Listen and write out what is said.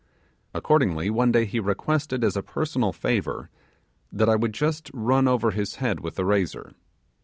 Accordingly, one day he requested as a personal favour that I would just run over his head with the razor.